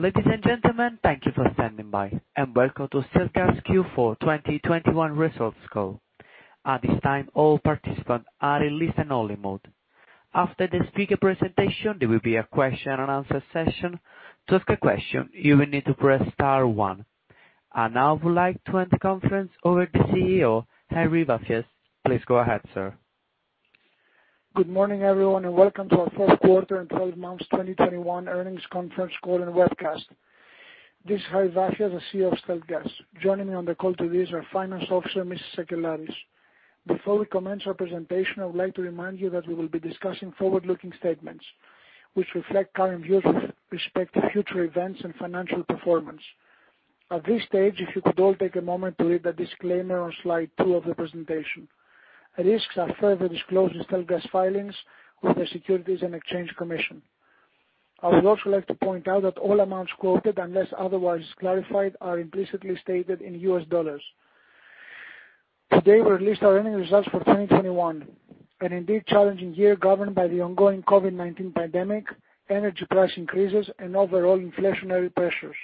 Ladies and gentlemen, thank you for standing by, and welcome to StealthGas Q4 2021 results call. At this time, all participants are in listen only mode. After the speaker presentation, there will be a question-and-answer session. To ask a question, you will need to press star one. Now I would like to hand the conference over to CEO Harry Vafias. Please go ahead, sir. Good morning, everyone, and welcome to our fourth quarter and twelve months 2021 earnings conference call and webcast. This is Harry Vafias, the CEO of StealthGas. Joining me on the call today is our finance officer, Ms. Sakellari. Before we commence our presentation, I would like to remind you that we will be discussing forward-looking statements which reflect current views with respect to future events and financial performance. At this stage, if you could all take a moment to read the disclaimer on slide two of the presentation. Risks are further disclosed in StealthGas filings with the Securities and Exchange Commission. I would also like to point out that all amounts quoted, unless otherwise clarified, are implicitly stated in U.S. dollars. Today, we released our earnings results for 2021, and indeed challenging year governed by the ongoing COVID-19 pandemic, energy price increases and overall inflationary pressures.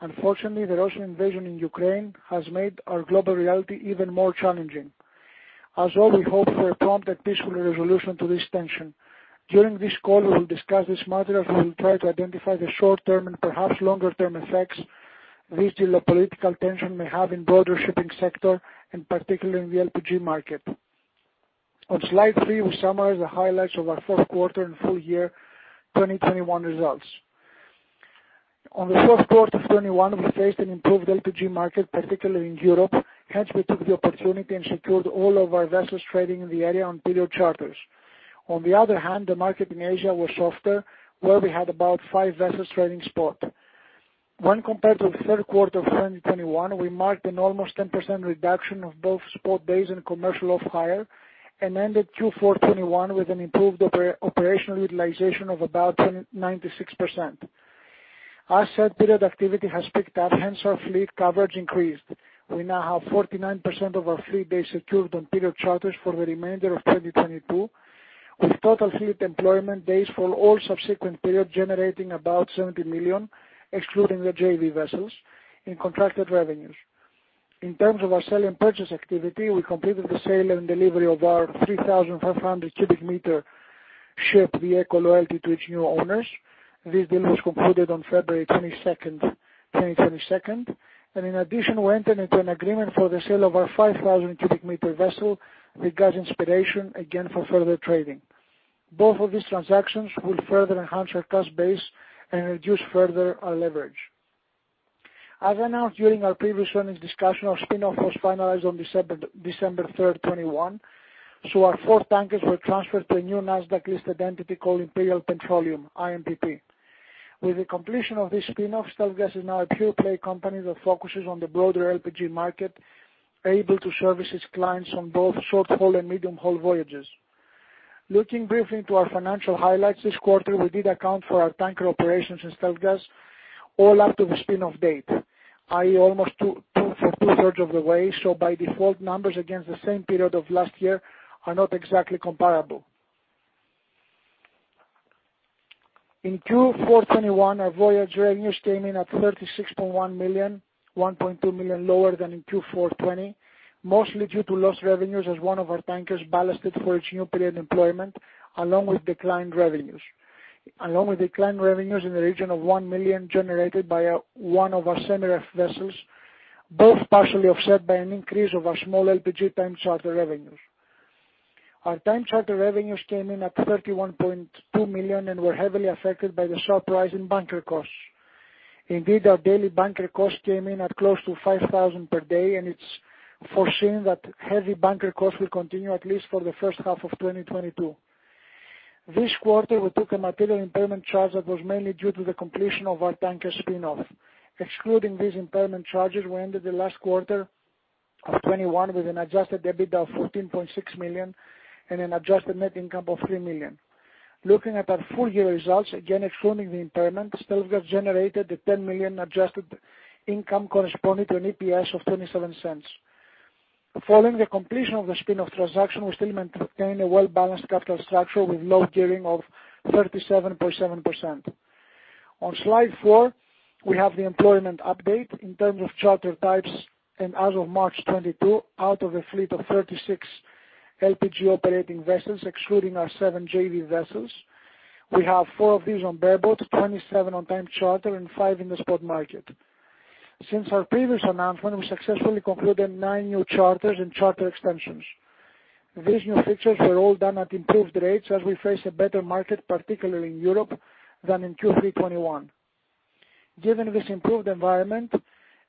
Unfortunately, the Russian invasion in Ukraine has made our global reality even more challenging. As well, we hope for a prompt and peaceful resolution to this tension. During this call, we will discuss this matter as we will try to identify the short term and perhaps longer-term effects this geopolitical tension may have in broader shipping sector, in particular in the LPG market. On slide three, we summarize the highlights of our fourth quarter and full year 2021 results. On the fourth quarter of 2021, we faced an improved LPG market, particularly in Europe. Hence, we took the opportunity and secured all of our vessels trading in the area on period charters. On the other hand, the market in Asia was softer, where we had about five vessels trading spot. When compared to the third quarter of 2021, we marked an almost 10% reduction of both spot days and commercial off hire and ended Q4 2021 with an improved operational utilization of about 96%. Our spot and period activity has picked up, hence our fleet coverage increased. We now have 49% of our fleet days secured on period charters for the remainder of 2022, with total fleet employment days for all subsequent period generating about $70 million, excluding the JV vessels in contracted revenues. In terms of our sale and purchase activity, we completed the sale and delivery of our 3,500 cubic meter ship, the Eco Loyalty, to its new owners. This deal was concluded on February 22, 2022, and in addition, we entered into an agreement for the sale of our 5,000 cubic meter vessel, the Gas Inspiration, again for further trading. Both of these transactions will further enhance our cost base and reduce further our leverage. As announced during our previous earnings discussion, our spin-off was finalized on December third, 2021, so our four tankers were transferred to a new Nasdaq-listed entity called Imperial Petroleum, IMPP. With the completion of this spin-off, StealthGas is now a pure-play company that focuses on the broader LPG market, able to service its clients on both short-haul and medium-haul voyages. Looking briefly into our financial highlights this quarter, we did account for our tanker operations in StealthGas all up to the spin-off date, i.e., almost two thirds of the way, so by default, numbers against the same period of last year are not exactly comparable. In Q4 2021, our voyage revenues came in at $36.1 million, $1.2 million lower than in Q4 2020, mostly due to lost revenues as one of our tankers ballasted for its new period employment, along with declined revenues in the region of $1 million generated by one of our semi-ref vessels, both partially offset by an increase of our small LPG time charter revenues. Our time charter revenues came in at $31.2 million and were heavily affected by the sharp rise in bunker costs. Indeed, our daily bunker costs came in at close to $5,000 per day, and it's foreseen that heavy bunker costs will continue at least for the first half of 2022. This quarter, we took a material impairment charge that was mainly due to the completion of our tanker spin-off. Excluding these impairment charges, we ended the last quarter of 2021 with an Adjusted EBITDA of $14.6 million and an Adjusted Net Income of $3 million. Looking at our full year results, again excluding the impairment, StealthGas generated an Adjusted Income of $10 million corresponding to an EPS of $0.27. Following the completion of the spin-off transaction, we still maintain a well-balanced capital structure with low gearing of 37.7%. On slide four, we have the employment update in terms of charter types, and as of March 2022, out of a fleet of 36 LPG operating vessels, excluding our seven JV vessels, we have four of these on bareboat, 27 on time charter and five in the spot market. Since our previous announcement, we successfully concluded nine new charters and charter extensions. These new fixtures were all done at improved rates as we face a better market, particularly in Europe, than in Q3 2021. Given this improved environment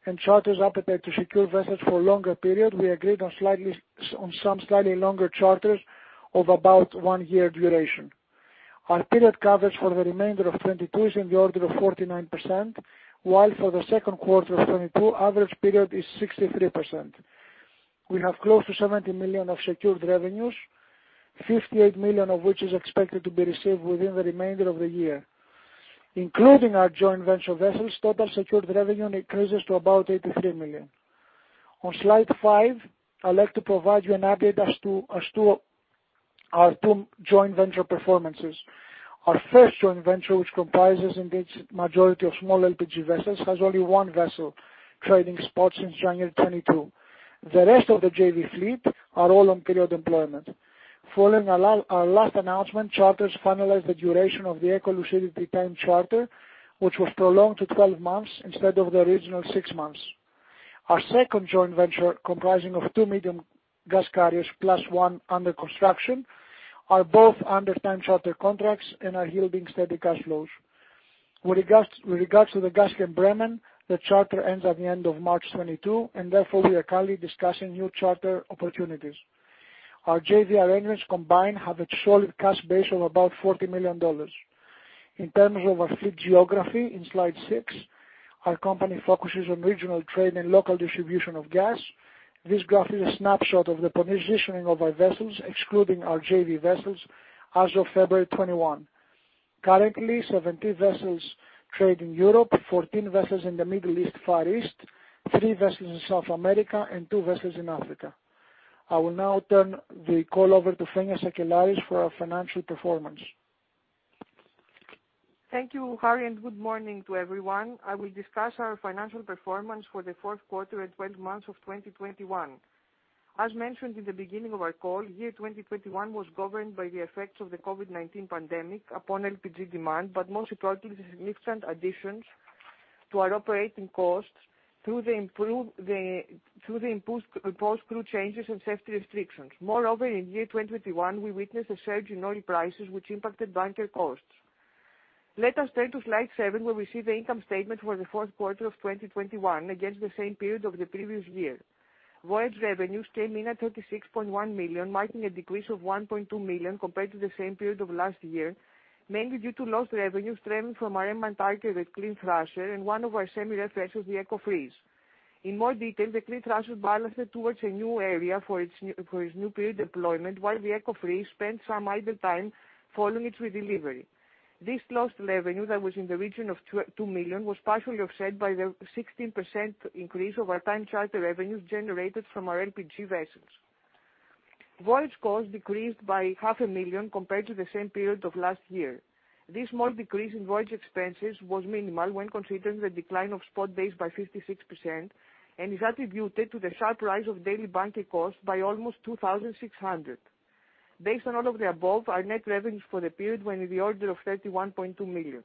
and charterers' appetite to secure vessels for a longer period, we agreed on some slightly longer charters of about one year duration. Our period coverage for the remainder of 2022 is in the order of 49%, while for the second quarter of 2022, average period is 63%. We have close to $70 million of secured revenues, $58 million of which is expected to be received within the remainder of the year. Including our joint venture vessels, total secured revenue increases to about $83 million. On slide five, I'd like to provide you an update as to our two joint venture performances. Our first joint venture, which comprises and gets majority of small LPG vessels, has only one vessel trading spots since January 2022. The rest of the JV fleet are all on period employment. Following our last announcement, charters finalized the duration of the Eco Lucidity time charter, which was prolonged to 12 months instead of the original six months. Our second joint venture, comprising of two medium gas carriers plus one under construction, are both under time charter contracts and are yielding steady cash flows. With regards to the Gaschem Bremen, the charter ends at the end of March 2022, and therefore we are currently discussing new charter opportunities. Our JV arrangements combined have a solid cash base of about $40 million. In terms of our fleet geography in slide six, our company focuses on regional trade and local distribution of gas. This graph is a snapshot of the positioning of our vessels, excluding our JV vessels as of February 21. Currently, 70 vessels trade in Europe, 14 vessels in the Middle East, Far East, three vessels in South America, and two vessels in Africa. I will now turn the call over to Fenia Sakellari for our financial performance. Thank you, Harry, and good morning to everyone. I will discuss our financial performance for the fourth quarter and 12 months of 2021. As mentioned in the beginning of our call, year 2021 was governed by the effects of the COVID-19 pandemic upon LPG demand, but most importantly, the significant additions to our operating costs through the imposed crew changes and safety restrictions. Moreover, in year 2021, we witnessed a surge in oil prices which impacted bunker costs. Let us turn to slide seven, where we see the income statement for the fourth quarter of 2021 against the same period of the previous year. Voyage revenues came in at $36.1 million, marking a decrease of $1.2 million compared to the same period of last year, mainly due to lost revenues stemming from our M&A-targeted Clean Thrasher and one of our semi-refs, the Eco Freeze. In more detail, the Clean Thrasher ballasted towards a new area for its new period deployment, while the Eco Freeze spent some idle time following its redelivery. This lost revenue that was in the region of $2 million was partially offset by the 16% increase of our time charter revenues generated from our LPG vessels. Voyage costs decreased by $0.5 million compared to the same period of last year. This small decrease in voyage expenses was minimal when considering the decline of spot days by 56% and is attributed to the sharp rise of daily bunker cost by almost $2,600. Based on all of the above, our net revenues for the period were in the order of $31.2 million.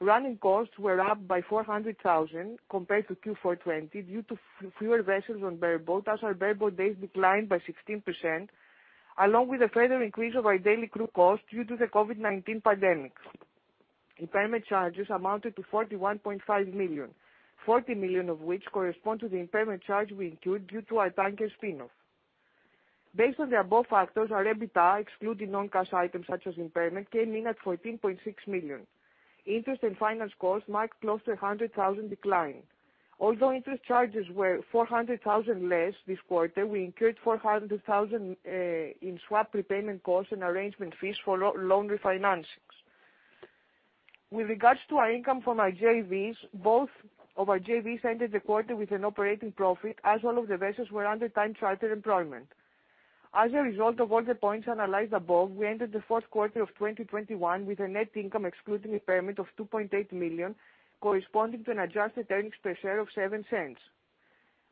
Running costs were up by $400,000 compared to Q4 2020 due to fewer vessels on bareboat, as our bareboat days declined by 16%, along with a further increase of our daily crew cost due to the COVID-19 pandemic. Impairment charges amounted to $41.5 million, $40 million of which correspond to the impairment charge we incurred due to our tanker spin-off. Based on the above factors, our EBITDA excluding non-cash items such as impairment came in at $14.6 million. Interest and finance costs marked close to $100,000 decline. Although interest charges were $400,000 less this quarter, we incurred $400,000 in swap prepayment costs and arrangement fees for loan refinancings. With regards to our income from our JVs, both of our JVs entered the quarter with an operating profit as all of the vessels were under time charter employment. As a result of all the points analyzed above, we ended the fourth quarter of 2021 with a net income excluding impairment of $2.8 million, corresponding to an adjusted earnings per share of $0.07.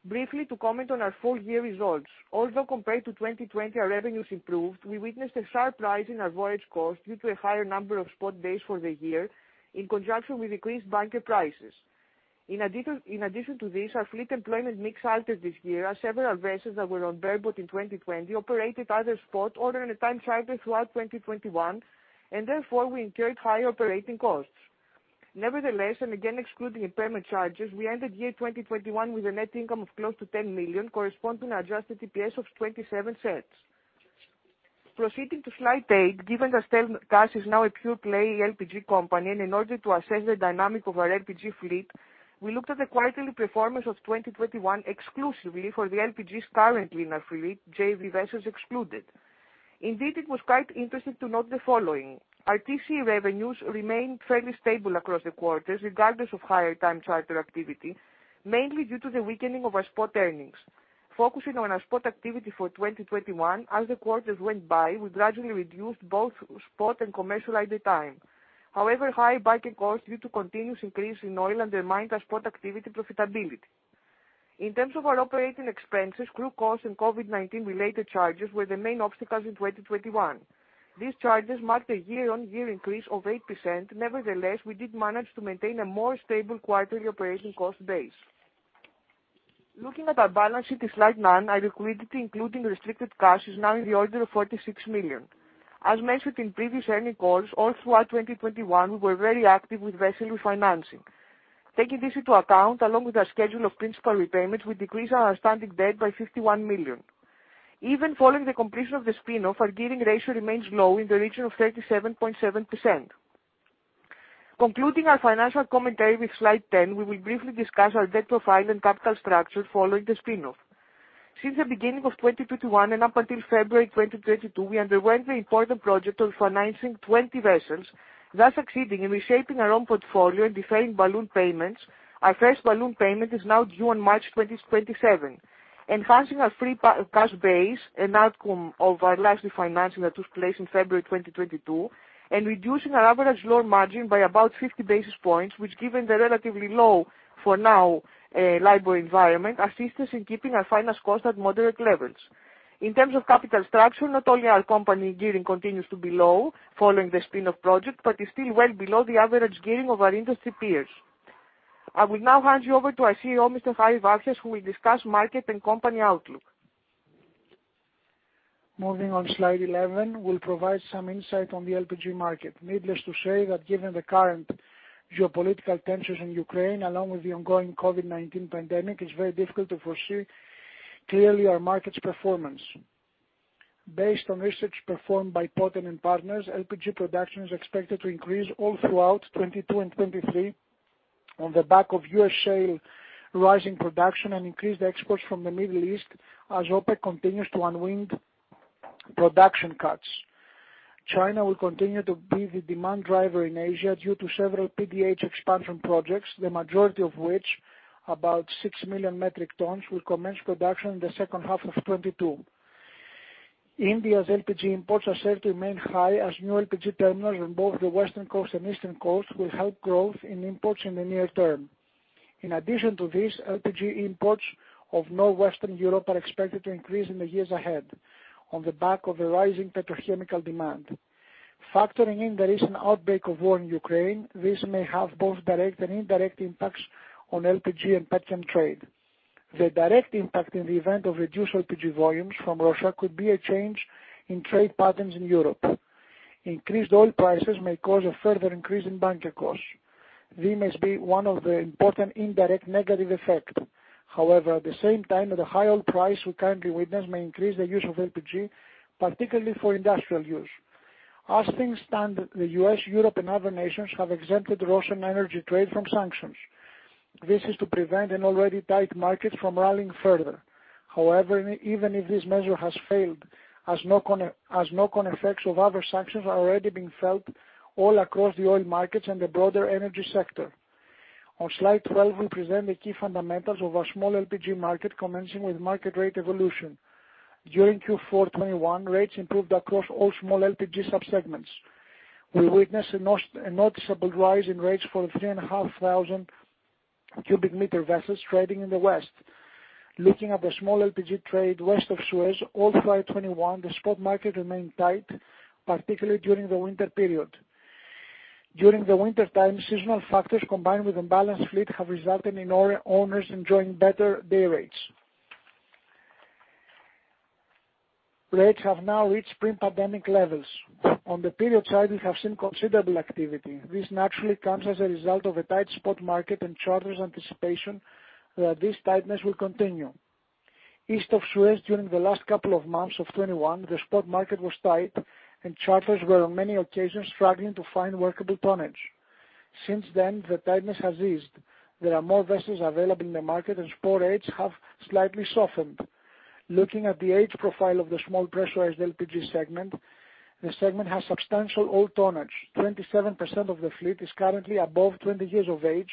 Briefly to comment on our full year results. Although compared to 2020 our revenues improved, we witnessed a sharp rise in our voyage cost due to a higher number of spot days for the year in conjunction with increased bunker prices. In addition to this, our fleet employment mix altered this year as several vessels that were on bareboat in 2020 operated either spot or on a time charter throughout 2021, and therefore we incurred higher operating costs. Nevertheless, and again excluding impairment charges, we ended year 2021 with a net income of close to $10 million corresponding to Adjusted EPS of $0.27. Proceeding to slide eight, given that StealthGas is now a pure play LPG company, and in order to assess the dynamic of our LPG fleet, we looked at the quarterly performance of 2021 exclusively for the LPGs currently in our fleet, JV vessels excluded. Indeed, it was quite interesting to note the following. Our TC revenues remained fairly stable across the quarters regardless of higher time charter activity, mainly due to the weakening of our spot earnings. Focusing on our spot activity for 2021, as the quarters went by, we gradually reduced both spot and commercial idle time. However, high bunker costs due to continuous increase in oil undermined our spot activity profitability. In terms of our operating expenses, crew costs and COVID-19 related charges were the main obstacles in 2021. These charges marked a year-on-year increase of 8%. Nevertheless, we did manage to maintain a more stable quarterly operating cost base. Looking at our balance sheet in slide nine, our liquidity, including restricted cash, is now in the order of $46 million. As mentioned in previous earning calls, all throughout 2021 we were very active with vessel refinancing. Taking this into account, along with our schedule of principal repayments, we decreased our outstanding debt by $51 million. Even following the completion of the spin-off, our gearing ratio remains low in the region of 37.7%. Concluding our financial commentary with slide 10, we will briefly discuss our debt profile and capital structure following the spin-off. Since the beginning of 2021 and up until February 2022, we underwent the important project of financing 20 vessels, thus succeeding in reshaping our own portfolio and deferring balloon payments. Our first balloon payment is now due on March 2027. Enhancing our free cash base, an outcome of our last refinancing that took place in February 2022, and reducing our average loan margin by about 50 basis points, which given the relatively low for now, LIBOR environment, assists us in keeping our finance cost at moderate levels. In terms of capital structure, not only our company gearing continues to be low following the spin-off project, but is still well below the average gearing of our industry peers. I will now hand you over to our CEO, Mr. Harry Vafias, who will discuss market and company outlook. Moving on slide 11, we'll provide some insight on the LPG market. Needless to say that given the current geopolitical tensions in Ukraine, along with the ongoing COVID-19 pandemic, it's very difficult to foresee clearly our market's performance. Based on research performed by Poten & Partners, LPG production is expected to increase all throughout 2022 and 2023 on the back of U.S. shale rising production and increased exports from the Middle East as OPEC continues to unwind production cuts. China will continue to be the demand driver in Asia due to several PDH expansion projects, the majority of which, about 6 million metric tons, will commence production in the second half of 2022. India's LPG imports are set to remain high as new LPG terminals on both the western coast and eastern coast will help growth in imports in the near term. In addition to this, LPG imports of Northwestern Europe are expected to increase in the years ahead on the back of the rising petrochemical demand. Factoring in the recent outbreak of war in Ukraine, this may have both direct and indirect impacts on LPG and petchem trade. The direct impact in the event of reduced LPG volumes from Russia could be a change in trade patterns in Europe. Increased oil prices may cause a further increase in bunker costs. This may be one of the important indirect negative effect. However, at the same time, the high oil price we currently witness may increase the use of LPG, particularly for industrial use. As things stand, the U.S., Europe, and other nations have exempted Russian energy trade from sanctions. This is to prevent an already tight market from rallying further. However, even if this measure has failed, as knock-on effects of other sanctions are already being felt all across the oil markets and the broader energy sector. On slide 12, we present the key fundamentals of our small LPG market, commencing with market rate evolution. During Q4 2021, rates improved across all small LPG subsegments. We witnessed a noticeable rise in rates for the 3,500 cubic meter vessels trading in the West. Looking at the small LPG trade west of Suez, all throughout 2021, the spot market remained tight, particularly during the winter period. During the wintertime, seasonal factors combined with imbalanced fleet have resulted in owners enjoying better day rates. Rates have now reached pre-pandemic levels. On the period side, we have seen considerable activity. This naturally comes as a result of a tight spot market and charters' anticipation that this tightness will continue. East of Suez during the last couple of months of 2021, the spot market was tight and charters were on many occasions struggling to find workable tonnage. Since then, the tightness has eased. There are more vessels available in the market and spot rates have slightly softened. Looking at the age profile of the small, pressurized LPG segment, the segment has substantial old tonnage. 27% of the fleet is currently above 20 years of age,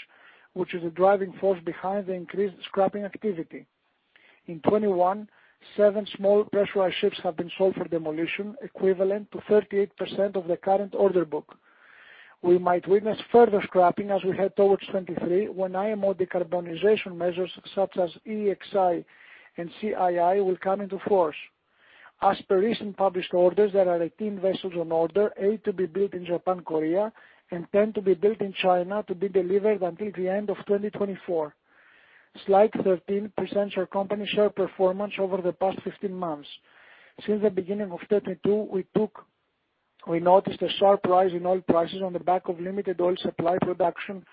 which is the driving force behind the increased scrapping activity. In 2021, seven small, pressurized ships have been sold for demolition, equivalent to 38% of the current order book. We might witness further scrapping as we head towards 2023, when IMO decarbonization measures such as EEXI and CII will come into force. As per recent published orders, there are 18 vessels on order, eight to be built in Japan, Korea, and 10 to be built in China to be delivered until the end of 2024. Slide 13 presents our company share performance over the past 15 months. Since the beginning of 2022, we noticed a sharp rise in oil prices on the back of limited oil supply production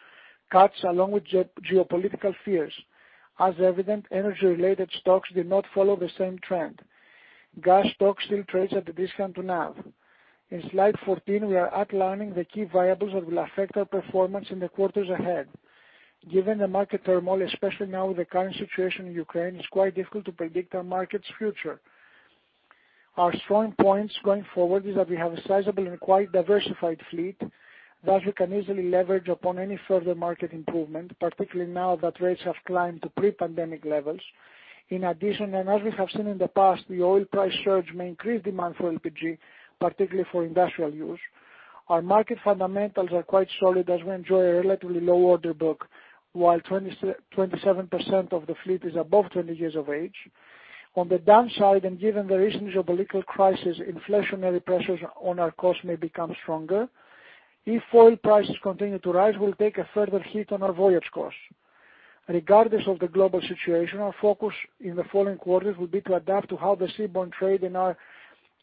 cuts along with geopolitical fears. As evident, energy related stocks did not follow the same trend. Gas stocks still trades at a discount to NAV. In slide 14, we are outlining the key variables that will affect our performance in the quarters ahead. Given the market turmoil, especially now with the current situation in Ukraine, it's quite difficult to predict our market's future. Our strong points going forward is that we have a sizable and quite diversified fleet that we can easily leverage upon any further market improvement, particularly now that rates have climbed to pre-pandemic levels. In addition, and as we have seen in the past, the oil price surge may increase demand for LPG, particularly for industrial use. Our market fundamentals are quite solid as we enjoy a relatively low order book, while 20%-27% of the fleet is above 20 years of age. On the downside, and given the recent geopolitical crisis, inflationary pressures on our costs may become stronger. If oil prices continue to rise, we'll take a further hit on our voyage costs. Regardless of the global situation, our focus in the following quarters will be to adapt to how the seaborne trade in our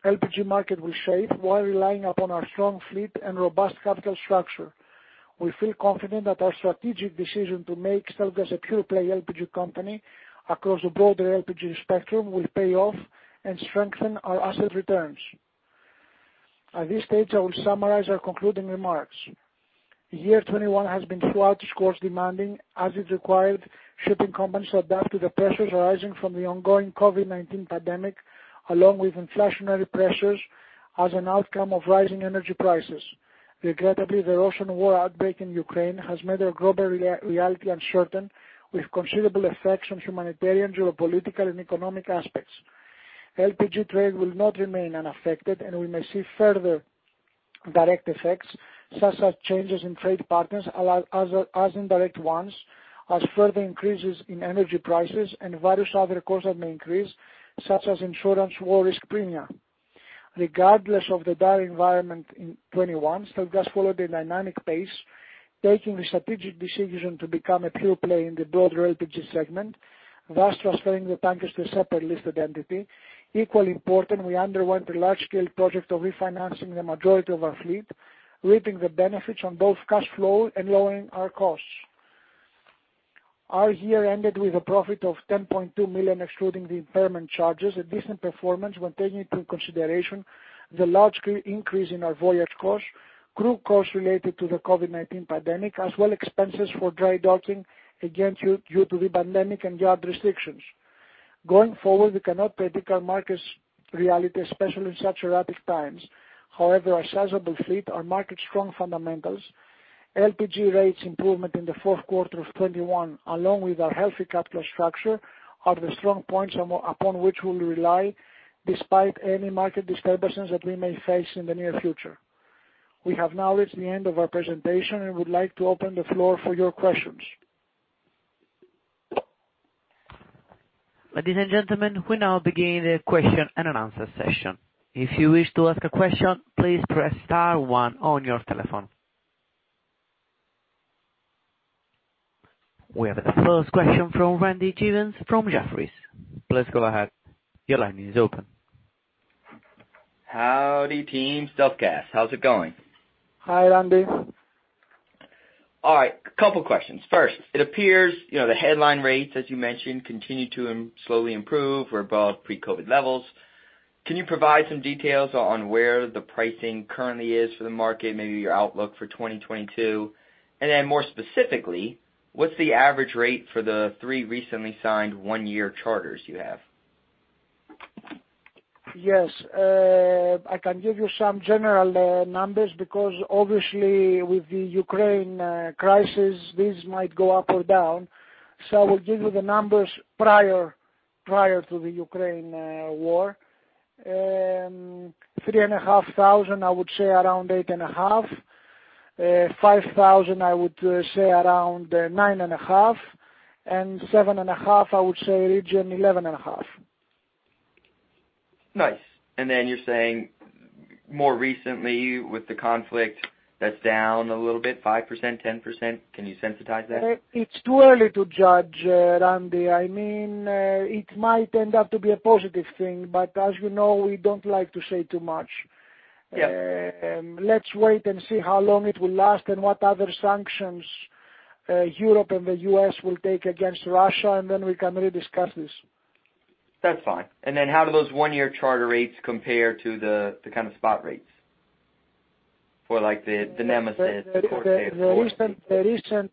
LPG market will shape while relying upon our strong fleet and robust capital structure. We feel confident that our strategic decision to make StealthGas a pure play LPG company across the broader LPG spectrum will pay off and strengthen our asset returns. At this stage, I will summarize our concluding remarks. The year 2021 has been throughout its course demanding as it required shipping companies to adapt to the pressures arising from the ongoing COVID-19 pandemic, along with inflationary pressures as an outcome of rising energy prices. Regrettably, the Russian war outbreak in Ukraine has made our global reality uncertain, with considerable effects on humanitarian, geopolitical, and economic aspects. LPG trade will not remain unaffected, and we may see further direct effects such as changes in trade partners, as well as indirect ones, such as further increases in energy prices and various other costs that may increase, such as insurance war risk premium. Regardless of the dire environment in 2021, StealthGas followed a dynamic pace, taking the strategic decision to become a pure play in the broader LPG segment, thus transferring the tankers to a separate listed entity. Equally important, we underwent a large scale project of refinancing the majority of our fleet, reaping the benefits on both cash flow and lowering our costs. Our year ended with a profit of $10.2 million, excluding the impairment charges, a decent performance when taking into consideration the large scale increase in our voyage costs, crew costs related to the COVID-19 pandemic, as well expenses for dry docking due to the pandemic and yard restrictions. Going forward, we cannot predict our market's reality, especially in such erratic times. However, our sizable fleet, our market strong fundamentals, LPG rates improvement in the fourth quarter of 2021, along with our healthy capital structure, are the strong points upon which we'll rely despite any market disturbances that we may face in the near future. We have now reached the end of our presentation and would like to open the floor for your questions. Ladies and gentlemen, we now begin the question-and-answer session. If you wish to ask a question, please press star one on your telephone. We have the first question from Randy Giveans from Jefferies. Please go ahead. Your line is open. Howdy, team StealthGas. How's it going? Hi, Randy. All right, a couple questions. First, it appears, you know, the headline rates, as you mentioned, continue to slowly improve. We're above pre-COVID levels. Can you provide some details on where the pricing currently is for the market, maybe your outlook for 2022? And then more specifically, what's the average rate for the three recently signed one-year charters you have? Yes. I can give you some general numbers because obviously with the Ukraine crisis, these might go up or down. I will give you the numbers prior to the Ukraine war. 3,500, I would say around 8.5. 5,000, I would say around 9.5. 7,500, I would say in the region of 11.5. Nice. You're saying more recently with the conflict that's down a little bit, 5%, 10%? Can you sensitize that? It's too early to judge, Randy. I mean, it might end up to be a positive thing, but as you know, we don't like to say too much. Yeah. Let's wait and see how long it will last and what other sanctions Europe and the U.S. will take against Russia, and then we can re-discuss this. That's fine. How do those one-year charter rates compare to the kind of spot rates for like the Nemesis? The recent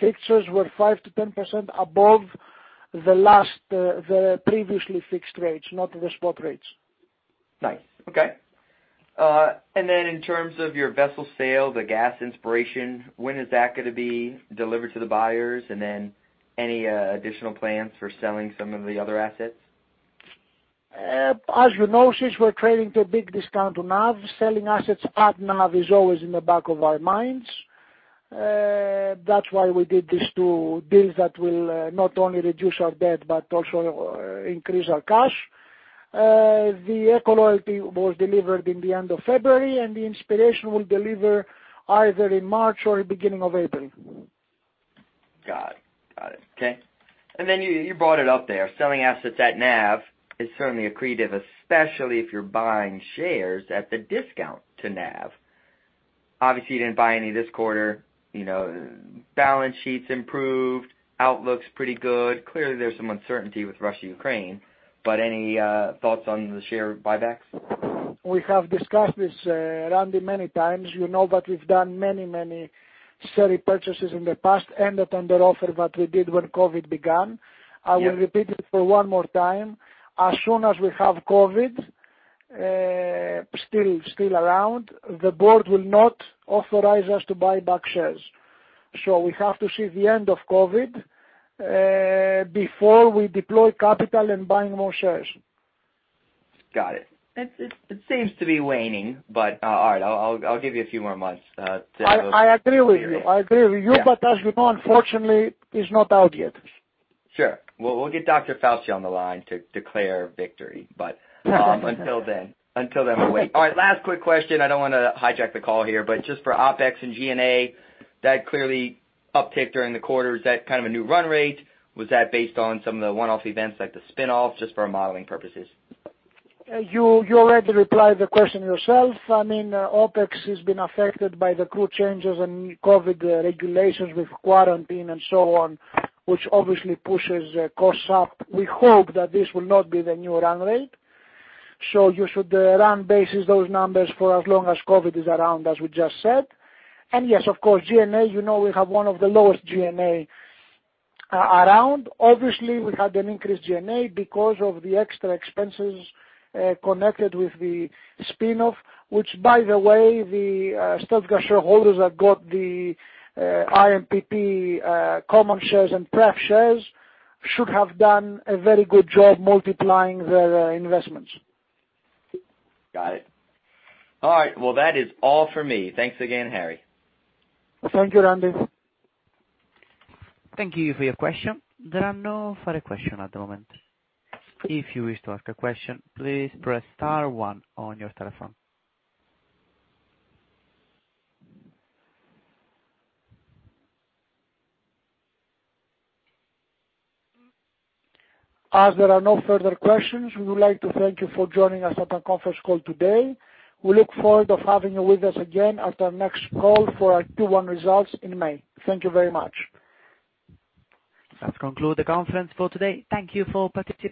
fixtures were 5%-10% above the previously fixed rates, not the spot rates. Nice. Okay. In terms of your vessel sale, the Gas Inspiration, when is that gonna be delivered to the buyers? Any additional plans for selling some of the other assets? As you know, since we're trading to a big discount on NAV, selling assets at NAV is always in the back of our minds. That's why we did these two deals that will not only reduce our debt but also increase our cash. The Eco Loyalty was delivered in the end of February, and the Gas Inspiration will deliver either in March or beginning of April. Got it. Okay. You brought it up there. Selling assets at NAV is certainly accretive, especially if you're buying shares at the discount to NAV. Obviously, you didn't buy any this quarter. You know, balance sheet's improved. Outlook's pretty good. Clearly, there's some uncertainty with Russia and Ukraine, but any thoughts on the share buybacks? We have discussed this, Randy, many times. You know that we've done many, many share repurchases in the past, and the tender offer that we did when COVID began. Yeah. I will repeat it for one more time. As soon as we have COVID, still around, the board will not authorize us to buy back shares. We have to see the end of COVID, before we deploy capital and buying more shares. Got it. It seems to be waning, but all right, I'll give you a few more months to- I agree with you. I agree with you. Yeah. As you know, unfortunately, it's not out yet. Sure. We'll get Dr. Fauci on the line to declare victory. Until then we'll wait. All right, last quick question. I don't wanna hijack the call here, but just for Opex and G&A, that clearly uptick during the quarter. Is that kind of a new run rate? Was that based on some of the one-off events like the spinoff? Just for our modeling purposes. You already replied the question yourself. I mean, Opex has been affected by the crew changes and COVID regulations with quarantine and so on, which obviously pushes costs up. We hope that this will not be the new run rate. You should run based on those numbers for as long as COVID is around, as we just said. Yes, of course, G&A, you know we have one of the lowest G&A around. Obviously, we had an increased G&A because of the extra expenses connected with the spinoff, which by the way, StealthGas shareholders that got the IMPP common shares and pref shares should have done a very good job multiplying their investments. Got it. All right, well, that is all for me. Thanks again, Harry. Thank you, Randy. Thank you for your question. There are no further question at the moment. If you wish to ask a question, please press star one on your telephone. As there are no further questions, we would like to thank you for joining us on our conference call today. We look forward of having you with us again at our next call for our Q1 results in May. Thank you very much. That concludes the conference for today. Thank you for participating.